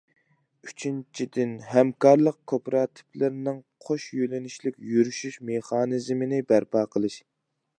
ئۈچىنچىدىن، ھەمكارلىق كوپىراتىپلىرىنىڭ قوش يۆنىلىشلىك يۈرۈشۈش مېخانىزمىنى بەرپا قىلىش.